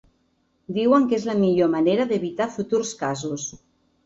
Diuen que és la millor manera d’evitar futurs casos.